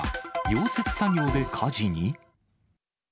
溶接作業で火事に？